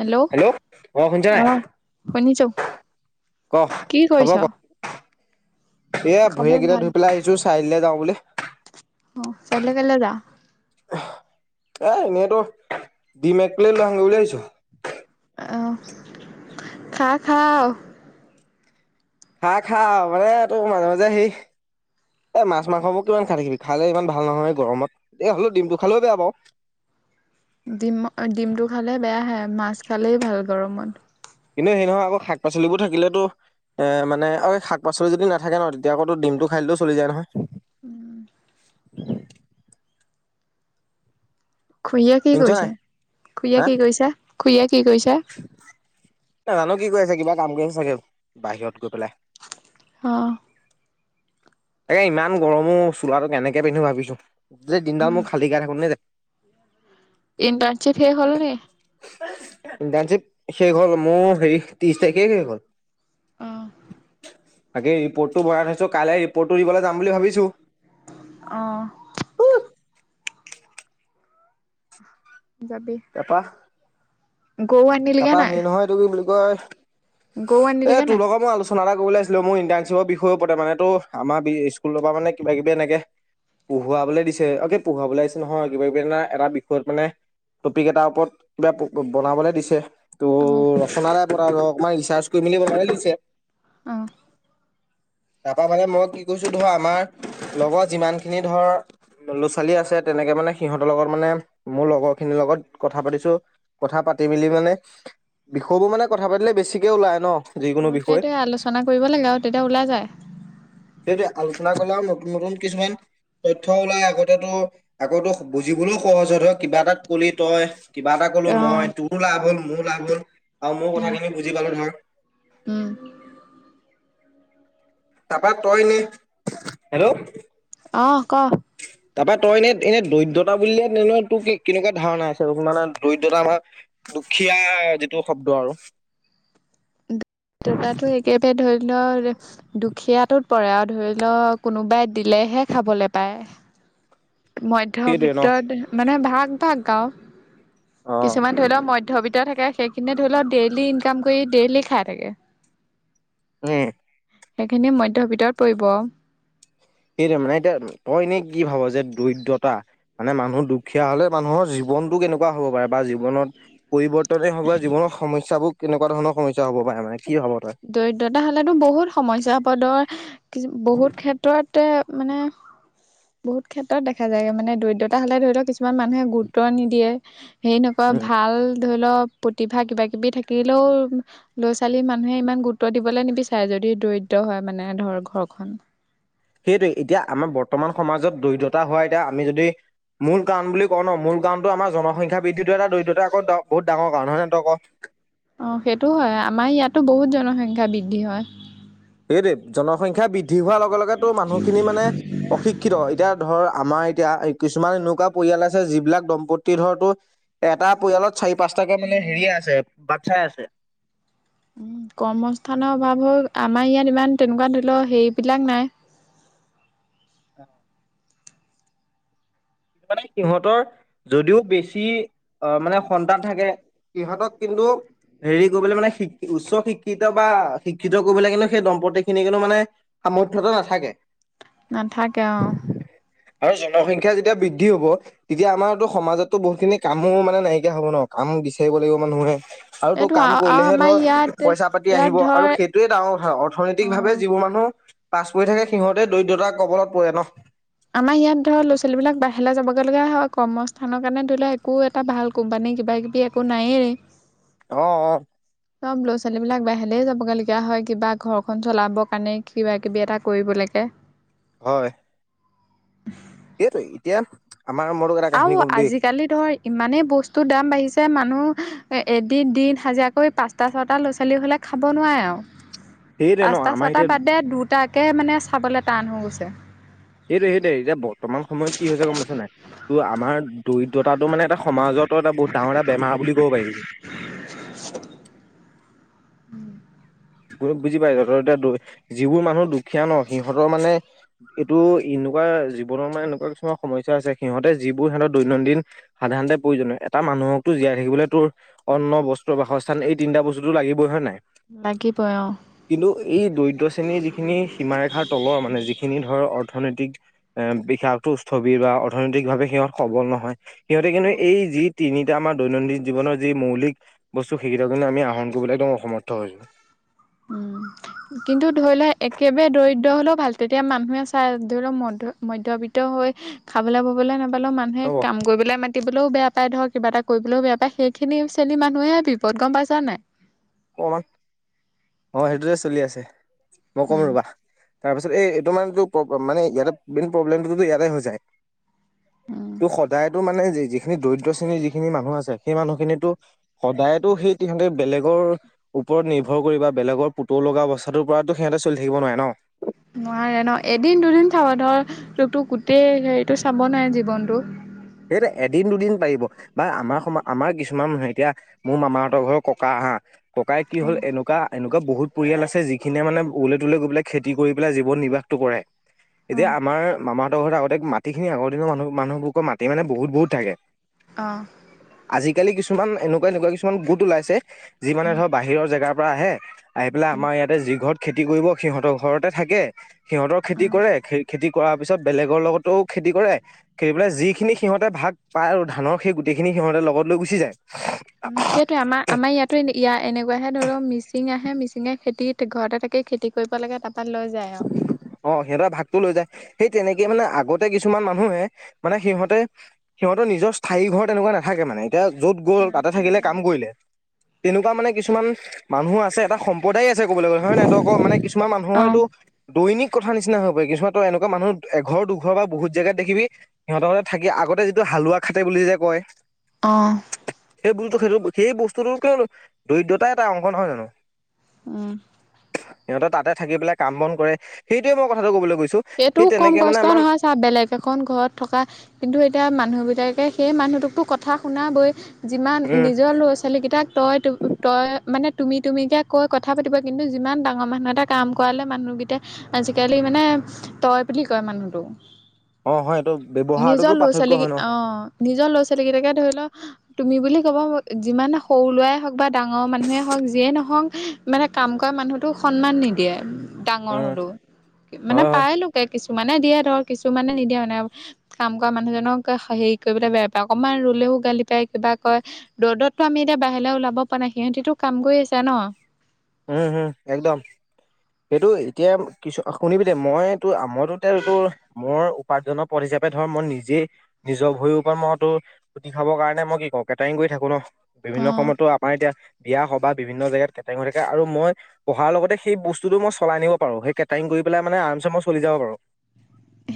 Hello hello অ', শুনছা নাই? অহ শুনিছো ক কি হ'ব কৰিছ? ক। এয়া খবৰ ভূঞেকেইটা ভাল ধুই পেলাই আহিছো চাইললে যাওঁ বুলেহ। অ চাৰিআলিলে কেলে যা এ, এনেতো ডিম এক প্লেট লৈ আহং বুলি আহিছোঁ। আহ, খা, খাওঁ। খা, খাওঁ মানে তোৰ মাজে মাজে হেৰিস এ, মাছ মাংস বোৰ কিমান খাই থাকিবি। খালে ইমান ভাল নহয় গৰমত। এ, হ'লেও ডিমটো খালেও বেয়া পাওঁ। ডিম্মা ডিমটো খালে বেয়াহে মাছ খালেই ভাল গৰমত। কিন্তু সেই নহয় আকৌ শাক পাচলিবোৰ থাকিলেতো এ, মানে আৰু এই শাক পাচলি যদি নাথাকে ন' তেতিয়া আকৌ তোৰ ডিম টো খাইলটো চলি যায় নহয়। উম। খুৰীয়ে কি শুনিছ নাই কৰিছে? খুৰীয়ে হা কি কৰিছে? খুৰীয়ে কি কৰিছে? নাজানো কি কয় আছে কিবা কাম কৰিম চাগে, বাহিৰত গৈ পেলাই। আহ তাকে ইমান গৰমো চোলাটো কেনেকে পিন্ধো ভাবিছো যে দিনডাল মোৰ খালী কৰোঁতে যায় ইণ্টাৰ্নশিপ সেই হ'লনে? ইনট্ৰানশিব শেষ হ'ল, মোৰ হেৰি ত্ৰিশ তাৰিখে শেষ হ'ল। অ আগে ৰিপৰ্টটো বনাই থৈছো, কাইলৈ ৰিপৰ্টটো দিবলৈ যাম বুলি ভাবিছো। অ যাবি গৰু তাৰাপৰা হেৰি নহয় এইটো কি বুলি কয়- গোৱা নিল গে নাই- কিবা এটা কবলৈ আহিছিলোঁ মোৰ ইণ্টাৰ্শ্বিপৰ বিষয় ওপৰতে মানে তো আমাৰ স্কুলৰ পৰা মানে কিবা কিবি এনেকে- পঢ়োৱাবলৈ দিছে অকে পঢ়োৱাবলৈ আহিছে নহয় কিবা কিবি এটা বিষয়ত মানে- টপিক এটাৰ ওপৰত কিবা বনাবলৈ দিছে। ত অ ৰচনাৰে পৰা অকমান ৰিচাৰ্চ কৰি খিনি পঠাই দিছে। আহ তাৰপৰা মানে মই কি কৈছো ধৰ আমাৰ লগত যিমান খিনি ধৰ ল'ৰা-ছোৱালী আছে তেনেকে মানে সিহঁতৰ লগত মানে মোৰ লগৰ খিনিৰ লগত কথা পাতিছো কথা পাত পাতি মেলি মানে বিষয়বোৰ মানে কথা পাতিলে বেছিকৈ ওলায় ন। যিকোনো অ বিষয় সেইটোৱে আলোচনা কৰিব লাগে আৰু তেতিয়া ওলাই যায়। দে দে আলচনা কৰলাম নতুন নতুন কিছুমান তথ্য ওলাই আগতেটো আগতো বুজিবলৈও সহজ হল ন কিবা এটাত ক'লি তই কিবা এটা কলো অ মই তোৰ লাভ হ'ল মোৰো লাভ হল আৰু মোৰ উম কথাখিনি বুজি পালো নহয়। উম তাৰপৰা তই নি হে'ল্ল' অ ক তাৰপৰা তই এনে এনে দৰিদ্ৰতা বুলিয়ে তেনে তোৰ কি কেনেকুৱা ধাৰণা আছে মানে দৰিদ্ৰতা বা দুখীয়া যিটো শব্দ আৰু একেতে ধৰি থৰ দুখীয়াটোৰ পৰা ধৰি লওক কোনোবাই দিলেহে খাবলৈ পায়। [inaudible] সেইটোৱে ন মধ্যবৃক্ত মানে ভাগ ভাগ গাও অ কিছুমান ধৰি লওক মধ্য দৰিদ্ৰ থাকে সেইখিনি ধৰি লওক ডেইলি ইনকাম কৰি ডেইলি খায় থাকে। উম সেইখিনি মধ্য ভিতৰত পৰিব অ সেইটো মানে এতিয়া তই এনেই কি ভাব যে দৰিদ্ৰতা মানে মানুহ দুখীয়া হলে মানুহৰ জীৱনটো কেনেকুৱা হ'ব পাৰে বা জীৱনত- পৰিৱৰ্তনে হওক বা জীৱনৰ সমস্যাবোৰ কেনেকুৱা ধৰণৰ সমস্যা হ'ব পাৰে মানে কি ভাব তই? দৰিদ্ৰতা হলেতো বহুত সমস্যা পদৰ কিছু বহুত ক্ষেত্ৰতে- মানে, বহুত ক্ষেত্ৰত দেখা যায় মানে দৰিদ্ৰতা হলে ধৰি লওক কিছুমান মানুহে গুৰুত্ব নিদিয়ে। হে নকয় উম ভাল ধৰি লওক প্ৰতিভা কিবা কিবি থাকিলেও ল'ৰা ছোৱালী মানু- মানুহে ইমান গুৰুত্ব দিবলৈ নিবিচাৰে যদি দৰিদ্ৰ হয় মানে ধৰ ঘৰখন সেইটোৱে এতিয়া আমাৰ বৰ্তমান সমাজত দৰিদ্ৰতা হোৱা এতিয়া আমি যদি মূল কাৰণ বুলি কওঁ মূল কাৰণটো আমাৰ জনসংখ্যা বৃদ্ধিটো এটা দৰিদ্ৰতা আকৌ বহুত ডাঙৰ কাৰণ হয় নহয় তই কওঁক। অ সেইটো হয় আমাৰ ইয়াতো বহুত জনসংখ্যা বৃদ্ধি হয়। সেইটোৱে জনসংখ্যা বৃদ্ধি হোৱাৰ লগে লগেতো মানুহখিনি মানে অশিক্ষিত হয়, এতিয়া ধৰ আমাৰ- এতিয়া কিছুমান এনেকুৱা পৰিয়াল আছে যিবিলাক দম্পতিৰটো এটা পৰিয়ালত- চাৰি পাঁচটাকৈ মানে হেৰীয়ে উম আছে বাচ্ছাই আছে। উ কৰ্মস্থানৰ অভাৱত আমাৰ ইয়াত ইমান তেনেকুৱা ধৰি লও হেৰিবিলাক নাই। [inaudible] মানে সিহঁতৰ যদিও বেছি আহ মানে সন্তান থাকে ইহঁতক কিন্তু হেৰি কৰিবলৈ মানে শিক-উচ্চ শিক্ষিত বা শিক্ষিত কৰিবলৈ কিন্তু সেই দম্পত্তি খিনি কিন্তু মানে সমৰ্থটো নাথাকে নাথাকে অ' আৰু [unintelligible] এতিয়া বৃদ্ধি হব তেতিয়া আমাৰতো সমাজতো বহুতখিনি কামো মানে নাইকিয়া হব ন কাম বিচাৰিব লাগিব মানুহে। আৰু তো এইটো কাম কৰিলেহে আমাৰ ধৰ ইয়াত পইচা পাতি ইয়াত আহিব ধৰ আৰু সেইটোৱে ডাঙৰ কথা অৰ্থনৈতিক ভাৱে অ যিবোৰ মানুহ পাছ পৰি থাকে সিহঁতে দৰিদ্ৰতাৰ কবলত পৰে ন? আমাৰ ইয়াত ধৰ ল'ৰা ছোৱালী বিলাক বাহিৰলৈ যাবগৈ লগা হয় কৰ্মস্থানৰ কাৰণে ধৰি লও একো এটা ভাল কোম্পানী কিবা কিবি একো নায়েই। অ', অ'। চব ল'ৰা ছোৱালী বিলাক বাহিৰলে যাবগে লগীয়া হয় কিবা ঘৰ খন চলাবৰ কাৰণে কিবা কিবি এটা কৰিব [unintelligible] হয়। [unintelligible] সেইটোৱেই এতিয়া আমাৰ মই তোক এটা কাহিনী আৰু ক'ম দেই আজিকালি ধৰ ইমানেই বস্তুৰ দাম বাঢ়িছে মান মানুহ এদিন দিন হাজিৰা কৰি পাঁচটা ছটা ল'ৰা ছোৱালী হ'লে খাব নোৱাৰে আৰু। সেইটোৱে ন পাঁচটা আমাৰ ছয়টা এতিয়া বাদে, দুটাকে মানে চাবলৈ টান হৈ গৈছে। সেইটো সেইটোৱেই এতিয়া বৰ্তমান সময়ত কি হৈছে গম পাইছ নাই তোৰ আমাৰ দৰিদ্ৰতাটো মানে এটা সমাজৰ এটা বহুত ডাঙৰ এটা বেমাৰ বুলি ক'ব পাৰিবি। উম। বুজি পাইছ? ত‌ই এতিয়া ত‌ই যিবোৰ মানুহ দুখীয়া ন সিহঁতৰ মানে এইটো এনেকুৱা জীৱনৰ মানে এনেকুৱা কিছুমান সমস্যা আছে সিহঁতে যিবোৰ হেনো দৈনন্দিন সাধাৰণতে প্ৰয়োজনীয় এটা মানুহ [unintelligible] জীয়াই থাকিবলৈ তোৰ অন্ন, বস্ত্ৰ, বাসস্থান এই তিনটা বস্তু লাগিব হয় নে নাই? লাগিবই অ কিন্তু এই দৰিদ্ৰ শ্ৰেণীৰ যিখিনি সীমাৰেখাৰ তলৰ মানে যিখিনি ধৰ অৰ্থনৈতিক এ [unintelligible] স্থবিৰ বা অৰ্থনৈতিক ভাৱে সিহঁত সবল নহয়। সিহঁতে অ কিন্তু এই যিত তিনিটা আমাৰ দৈনন্দিন জীৱনৰ যি মৌলিক বস্তু সেইকেইটা কিন্তু আমি আহৰণ কৰিবলৈ একদম অসমৰ্থ [unintelligible] উম, কিন্তু ধৰি লোৱা একেবাৰে দৰিদ্ৰ হলেও ভাল তেতিয়া মানুহে চাই ধৰি লোৱা মন মধ্যবৃত্ত হৈ খাবলৈ ববলৈ নাপালেও মানুহে ৰ'ব কাম কৰিবলৈ ম [unintelligible] বেয়া পায় ধৰক কিবা এটা কৰিবলৈও বেয়া পায় সেইখিনি শ্ৰেণী মানুহেই বিপদ গম পাইছা নাই? অ', সেইটোৱেই চলি আছে মই কম উম ৰবা। তাৰপিছত এই এইটো মানে তোৰ মানে এইটো মেইন প্ৰব্লেমটোতো ইয়াতে হৈ যায়। উম তো সদায়তটো মানে যিখিনি দৰিদ্ৰ শ্ৰেণীৰ যিখিনি মানুহ আছে, সেই মানুহখিনিতো সদায়তো সেই তাহাতে বেলেগৰ ওপৰত নিৰ্ভৰ কৰি বা বেলেগৰ পুতৌ লগা অৱস্থাটোৰ পৰাটো সিহঁতে চলি থাকিব নোৱাৰে ন? নোৱাৰে ন এদিন দুদিন চাব ধৰ তোকতো গোটেই হেৰিটো চাব নোৱাৰে জীৱনতটো। সেইটোৱেই এদিন দুদিন পাৰিব বা আমাৰ সম- আমাৰ কিছুমানে এতিয়া মোৰ মামাহঁতৰ ঘৰৰ ককা হা, ককাই কি অ হ'ল এনেকুৱা- এন এনেকুৱা বহুত পৰিয়াল আছে যিখিনিয়ে মানে অলে তোলে গৈ পেলাই খেতি কৰি পেলাই জীৱন নিৰ্বাহটো কৰে। এতিয়া আমাৰ মামাহঁতৰ ঘৰত আগতে মাটি খিনি আগৰ দিনৰ মানুহ-মানুহবোৰৰ মাটি মানে বহুত বহুত থাকে। অ'। আজিকালি কিছুমান এনেকুৱা এনেকুৱা কিছুমান গোট ওলাইছে যি মানে উম ধৰ বাহিৰৰ জেগাৰ পৰা আহে আহি পেলাই উম আমাৰ ইয়াতে যি ঘৰত খেতি কৰিব সিহঁতৰ ঘৰতে থাকে, সিহঁতৰ খেতি কৰে খেতি কৰাৰ পিছত বেলেগৰ লগতো খেতি কৰে খেতি পেলাই যিখিনি সিহঁতে ভাগ পায় আৰু ধানৰ সেই গোটেই খিনি সিহঁতে লগত লৈ গুচি যায়। সেইটোৱেই আমাৰ-আমাৰ ইয়াতো এনেকুৱাহে ধৰি লও মিচিং আহে মিচি দ, খেতি ঘৰতে থাকেই খেতি কৰিব লাগে তাপে অ, সিহঁতৰ ভাগতটো লৈ যায় সেই তেনেকে মানে আগতে কিছু কিছুমান মানুহে, মানে সিহঁতে সিহঁতৰ নিজৰ স্থায়ী ঘৰ তেনেকুৱা নাথাকে মানে। এতিয়া য'ত গ'ল তাতে থাকিলে নাথাকে আৰু। কাম কৰিলে। তেনেকুৱা মানে কিছুমান মানুহো আছে এটা সম্প্ৰদায় আছে ক'বলৈ গ'লে হয় নহক মানে কিছুমান মানুহৰ অ'। টো দৈনিক কথা নিচিনা হৈ পৰে কিুমানো এনেকুৱা মানুহ এঘৰ দুঘৰ বাহুত জেগাত দেিবি সিহঁতহঁতে থাকি আগত। ততে যিটো হালোৱা খাাটতে বুলি যে কয়। অ, বু, সেইটো সেই বস্তুটো কিয় দৰিদ্ৰতা এটা অংশ নহয় জানো। উম, সিহঁতৰ তাতে থাকি পেল কামন কৰে সেইটয়ে মই কথাটো ক'ব লাগ সেইটো কম কষ্ট নহয় চা, বেলেগ এখন ঘৰত থকা কিন্তু এতিয়া মানুহ বিলাকে। সেই মানুহটোকতো কথা শুনা বৈ, যিমান উম নিজৰ ল'ৰা ছোৱালীকেইটাক তই তই মানে তুমি তুমিকে কৈ কথা পাতিব, কিন্তু যিমান ডাঙৰ মানুহ এটা কাম কৰালে মানুহকেইটটা আজিকালি মানে। তই বুলি কয় মানুহটো। অ হয় এইটো ব্যৱহাৰটোতো নিজৰ ল'ৰা পাৰ্থক্য ছোৱালীক হয় ন অ নিজৰ ল'ৰা ছোৱালী কেইটাকে ধৰি ল তুমি বুলি ক'ব যিমান সৰু লোৱাই হওঁক বা ডাঙৰ মানুহে হওক যিয়ে নহওক মানে কাম ক মানুহতোক সন্মান নিদিয়ে ডাঙৰ উম হলেও মানে হয় হয় পায় লোকে কিছুমান কিছুমানে দিয়ে ধৰ কিছুমানে নিদিয়ে মানে কাম কৰা মানুহজনক হেৰি কৰিবলৈ বেয়া পায় অকণমান ৰৰুলে। গালি পাই কিবা কয় ৰ'দতটো আমি এতিয়া বাহিৰে ওলাব পৰা নাই সিহতিতটো কাম কৰি আছে ন। উম, হম একদম এইটো এতিয়া কিছু শুনিবি দেই মই। আমইো তেলটো মোৰ। উপাৰ্জনৰ পথ হিচাপে ধৰ মই নিজেই নিজৰ ভৰিৰ ওপৰত মইতো উুটি খাব কাৰণে মই কি ক, কেটাৰিং কৰি। থাকো ন, অ বিভিন্ন সময়তো আমাৰ এতিয়া বিয়া সভা বা বিভিন্ন জেগাত কেটেঙতে আৰু মই পঢ়াৰ লগতে সেই বস্তুতটো মই চলাই নিব পাৰো, সেই কেটাৰিং কৰি পেলাই মানে আৰামচ মই চলি যাব পাৰো।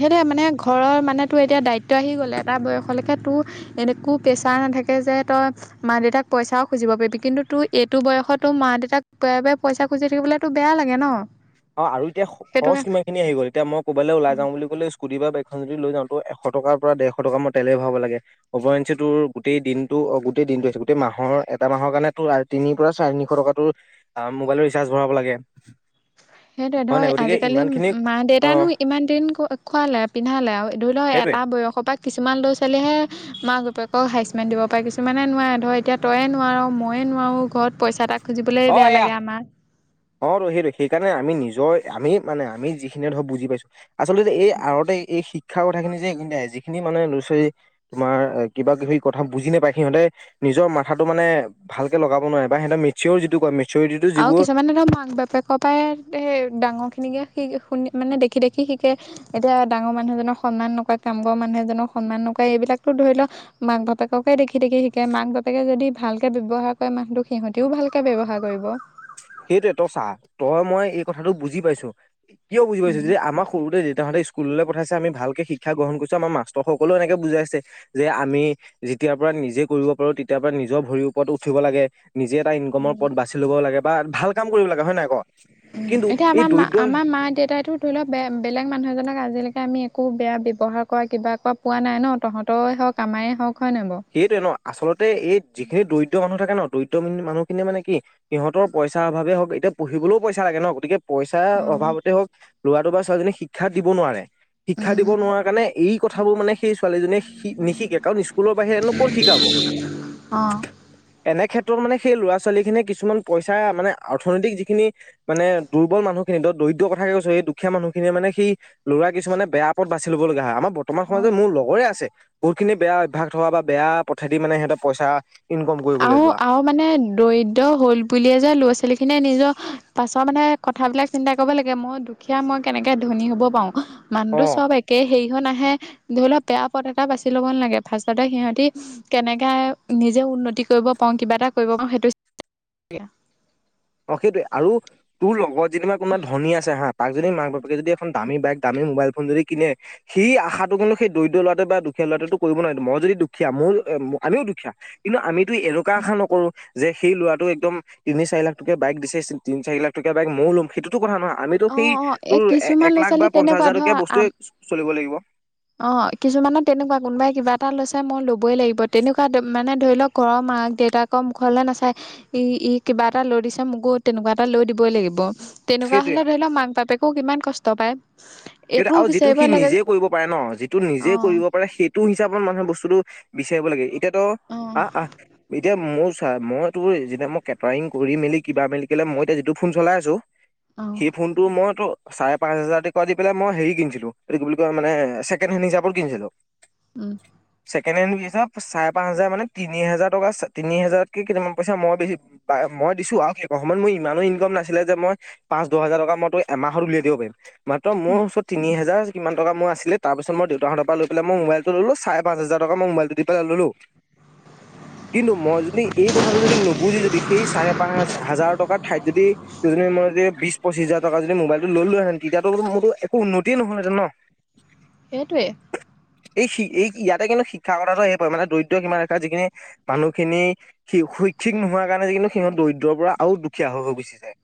সেইহ মানে ঘৰৰ মানে তো এতিয়া দায়িত্ব আহি গ'লে এটা বয়সলৈকে। তোৰ এনেকুৱো প্ৰেছাৰ নাথাকে যে তই মা দেউতাক পইচাও খুজিব পাৰিবি কিন্তু তোৰ এইটো বয়স। ত, তো মা দেউতাক ব পইচা খুজি থাকিবলৈতো বেয়া লাগে ন। অ, আৰু এতিয়া সেইটো খৰচ কাৰণে কিমান খিনি আহি গল এতিয়া মই ক'বালে অ ওলাই যাও বুলি ক'লেই চোন। যদিবা বেগখন যদি লৈ যাওঁো এশ টকাৰ পৰা দেৰশ টকা মই তেলেই ভৰাব লাগে অপয়ঞ্চে তোৰ গোটেই দিনটো। গোটেই দ গোেই মাহৰ এটা মাহৰ কাৰণে তি পৰা চাৰতিনিশ টকা মোবাইলৰ ৰিচাৰ্জ ভ লাগে। সেইটোয়ে হয় ধৰ নাই গতিকে আজিকালি ইমানখিনি মা অ দেউতানো ইমান দিন খুৱালে পিন্ধালে আৰু ধৰি লও। সেইটোৱে তাৰ বয়সৰ পৰা কিছুমান ল'ৰা ছোৱালীহে মা তেক হাইচমেণ্ দিব পাৰে কিছুমানে নোৱাৰে ধৰ এতিয়া তইয়ে নোৱাৰ ময়ে নোৱাৰোঁ ঘৰত পইচা এটা খুজিবলে অ বেয়া এয়া লাগে আমাৰ। অ, টো সেইটো সেইকাৰণে আমি নিজৰ আমি মানে আমি যিখিনিয়ে ধৰক বুজি পাইছো আচলতে এই আৰতে এই শিক্ষাৰ কথাখিনি যে এ যিখিনি মানে ল'ৰা ছোৱাল তোমাৰ কিবা সি কথা বুজি নাপায় সিহঁতে। নিজৰ মাথাটো মানে ভকে লগাব নোৱাৰে, বা সিহঁত মেচিয়ৰ যিটো কয় মে আৰু কিছুমানে ধৰ‌ মাক-বাপ কে, পৰাাই ডাঙৰ খিনিকে শ, শুনি মানে দেখি দেখি শিকে এতিয়া ডাঙৰ মানুহ জনৰ। সন্মান নকয় কামঘৰ মানুহ এজনক সন্মান নকায়, এইবিলাকতো ধৰি লওক মাক বাপেককে দেখি দেখি শিকে মাক। বাপেকে যদি ভালকৈ ব্যৱহাৰ কৰে মাহছটো সিহঁতেও ভালকৈ ব্যৱহাৰ কৰিব। সেইটোৱে তই চাহ তই মই এইটো কথাটো বুজি পাইছো। কিয় বুজি পাইছে যে আমাৰ সৰুতে দেউাহঁতে। স্কুললৈ পঠাইছে আমি ভালকে শিক্ষা গ্ৰহণ কৰিছো আমাৰ মাষ্টৰ সকলেও এনেকে বুজাইছে, যে আমি যেতিয়াৰ পৰা। নিজে কৰিব পাৰো তেতিয়াৰ পৰা নিজৰ ভৰিৰ ওপৰত উঠিব লাগে। নিজে এটা ইনকমৰ উম পথ বাছি ল'ব লাগে বা ভাল কাম কৰিব লাগে হয় নে নাই ক। কিন্তু এতিয়া এই আমাৰ মা দৰিদ্ৰ আমাৰ মা দেউতাইো ধৰি লওক ব বেলেগ মানুহ এজনক আজিলৈকে। আমি একো বেয়া ব্যৱহাৰ কৰা কিবা ক পোৱা নাই ন তহঁত হওঁক আমাৰ হওঁক। সেইটোৱে ন আচলতে এই যিখিনি দৰিদ্ৰ মানুহ থাকে ন দৰিদ্ৰ মানুহখিনিয় মানে কি সহতৰ পইচা অভে হওক এতিয়া পুহিবলৈও পইচা লাগে ন গতিকে পইচাৰ অ অভাৱতে হওক ল'ৰাটো বা ছোৱালীজনক শিক্ষাত দিব নোৱাৰে শিক্ষা দিব উম নোৱাৰা কাৰণে এই কথাবোৰ মানে সেই ছোৱালীজনীয়ে নিশিকে কাৰণ স্কুলৰ ক শিকাব অ এনে ক্ষেত্ৰত মানে সেই ল'ৰা ছোৱালী খিনিয়ে কিছুমান পইচা মানে অৰ্থনৈতিক যিখিনি মানে দুৰ্বল মানুহখিনি কিন্ত দৰিদ্ৰ কথাে কৈো এই দুখীয়া মানুহখিয়ে মানে সেই ল'ৰা কিছুে বেয়া পথ বাচি ল'ব লগা হয়মাৰ বৰ্তমান অ সময়ত মোৰ লগৰৰে আছে বহুতখিনি বেয়া অভ্যাস থকা বা বেয়া পথেদি মানে সিহঁতৰ পইচা ইনকম কৰিবলৈ আৰু যোৱা আৰু মানে দৰিদ্ৰ হল বুলিয়ে যেোৱা ল'ৰা ছোৱালী সখিনিয়ে নিজৰ পাছৰ মানে কথাবিলাক চিন্তা কৰিব লাগে মই দুখীয়া মই কেনেকৈ ধনী হ'ব পাৰোঁ মানুহটো অ চব একে সেই ইহন আহে ধৰি লওক বেয়া পথ এটা বাছি ল'ব নালাগে ফাৰ্ষতে সিহতি কেনেকে নিজে উন্নতি কৰিব পাৰো কিবা এটা কৰিব পাৰো সেইটো অ সেইটোৱয়ে আৰু তোৰ লগত যেদিিবা কোনোবা ধনী আছে হা তাক যদিী মাক বাপেকে যদি এখন দামী বাইক দামী মোবাইল ফোন যদি কিনে সি আশাটো কিন্তু সেই দৰিদ্ৰ লৰাটোোৱ বা দুখীয়া ল'ৰাটো কৰিব নোৱাৰিম মই যদি দুখীয়া মোৰ আমিও দুখীয়া কিন্তু আমিতো এনেকুৱা আশা নকৰো যে সেই ল'ৰাটো একদম তিনি চাৰি লাখ তোই দিচিছিল তি চাৰি লাখককা বাই ময় লম সেইটোো কথাহয় আমিতো অ সেই অ এ তোৰ কিছুমান এক ল'ৰা লাখ বা ছোৱালী পঞ্চাশ তেনেকুৱা হাজাৰ ধৰ টকীয়া আম বস্তুৱয়ে চলিব লাগিব অ কিছুমানৰ তেনেকুৱা কোনোবাই কিবা এটা লৈছে মই ল'বই লাগিব তেনেকুৱা মানে ধৰি লওক ঘৰ মাক দেউতাকৰ মুখৰলৈলে নাচাই ই ই কিবা এটা লৈ দিছে মোকো তেনেকুৱা এটা লৈ দিবই লাগিব তেনেকুৱা সেইটোৱে হলে ধৰি লওক মাক বাপেকও কিমান কষ্ট পায় সেই এইটোও আৰু যিটো বিচাৰিব সি লাগে নিজে কৰিব পাৰে ন যিটো অ নিজে কৰিব পাৰে সেইটো হিচাপত মানুে বস্তুটো বিচাৰিব লাগে এতিয়া অ আহ আহ এতিয়া মোৰ ছা মই তোৰ যেতিনে মই কেটাৰিং কৰি মেলি কিবা মেলি কেলে মই এতিয়া যিটো ফোন চলাই আছো অ সেই ফোনটো মইতো চাৰে পাঁচ হাজাৰতে ক দি মই হেৰি কিনছিলো এইটো কি বুলি কয় মানে ছেকেড কিনিছিলো উম ছেকেণ্ড হেণ্ডিচাপ চাৰে পাঁচ হাজাৰানে তিনি হোজাৰ টকা তিনি হাজাৰতকৈ কেইটান পইচ মই বেছি মই দিছো আৰু সেই সময়ত মোৰ ইমানো ইনকম নাছিলে যে মই পাঁচ দহ হাজাৰ টকা মই তই এমাহত উলিয়াই দিব পাৰিম ম ত মোৰ ওচৰত তি হাজাৰমান ট মই আছিলে তাৰ পিছ মই দেউতাহতৰ পৰা লৈ পেল মই মোবলটোলো চাৰে পাঁচ হাজাৰ মোাইলটো দি পেলাই ললো [inaudible] কিন্তু মই যদি এই কথাটো যদি নুবুজি যদি সেই চাৰে পাঁচ হাজ টঠ যদি দুজনী মই যদি বিশ পঁচিছ হাজাৰ টকা যদি মোবাইলটো ললোহেতেন তেতিয়া মোৰতো একো উন্নতিয় নহয়লহতে ন সেইটোৱে এই এই ইয়াতে কিন্তু শিক্ষা কথাটো সে প মানে দৰিদ্ৰ সিমান ৰখা যিখিনি মানুহখিনি শৈক্ষিক নোহোৱাৰ কাৰণে যে কিন্তু সিহত দৰিদ্ৰৰ পৰা আৰু দুখীয়া হৈ গুচি যায়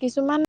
কিছুমান